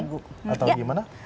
ini mau dicoba di goreng atau gimana